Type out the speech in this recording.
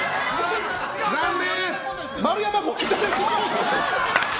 残念！